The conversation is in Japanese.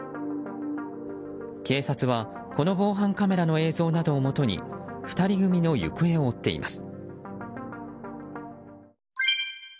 警察は、この防犯カメラの映像などをもとに２人組の行方を追っています。